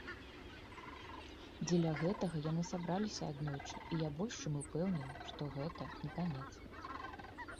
Дзеля гэтага яны сабраліся аднойчы, і я больш чым упэўнены, што гэта не канец.